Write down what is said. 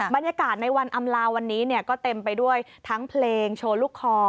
บรรยากาศในวันอำลาวันนี้ก็เต็มไปด้วยทั้งเพลงโชว์ลูกคอ